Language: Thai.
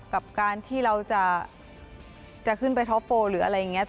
กับการที่เราจะขึ้นไปท็อปโฟลหรืออะไรอย่างนี้